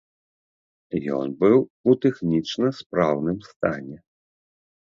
Ён быў у тэхнічна спраўным стане.